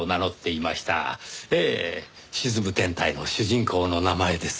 ええ『沈む天体』の主人公の名前です。